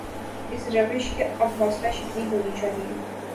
اس روش کی اب حوصلہ شکنی ہونی چاہیے۔